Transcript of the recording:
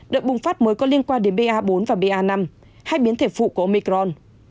đợt bùng phát mới có liên quan đến ba bốn và ba năm hay biến thể phụ của omicron